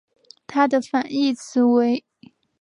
它的反义词为。